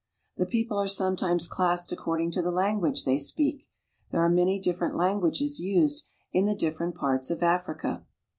The people are sometimes classed according to the language they speak. There are many different languages used in the different parts of Africa.